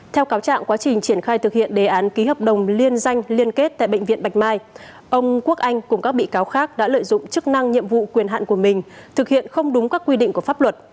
theo cáo trạng quá trình triển khai thực hiện đề án ký hợp đồng liên danh liên kết tại bệnh viện bạch mai ông quốc anh cùng các bị cáo khác đã lợi dụng chức năng nhiệm vụ quyền hạn của mình thực hiện không đúng các quy định của pháp luật